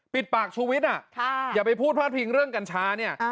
ปิดปากชูวิทย์อย่าไปพูดพลาดพิงเรื่องกัญชาเนี่ย